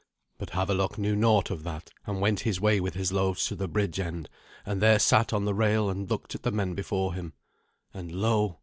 But Havelok knew naught of that, and went his way with his loaves to the bridge end, and there sat on the rail and looked at the men before him. And /lo!